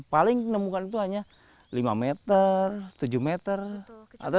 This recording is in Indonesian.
paling nemukan itu hanya lima meter tujuh meter